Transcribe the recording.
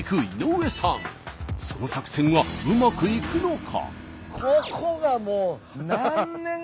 その作戦はうまくいくのか？